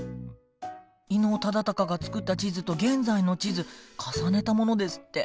伊能忠敬が作った地図と現在の地図重ねたものですって。